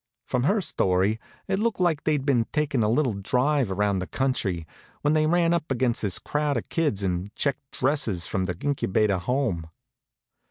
From her story it looked like they'd been takin' a little drive around the country, when they ran up against this crowd of kids in checked dresses from the Incubator home.